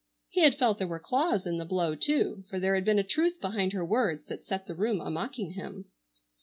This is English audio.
He had felt there were claws in the blow, too, for there had been a truth behind her words that set the room a mocking him.